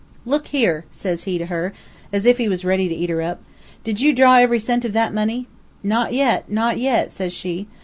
'Look' here!' says he to her, as if he was ready to eat her up. 'Did you draw every cent of that money?' 'Not yet, not yet,' says she.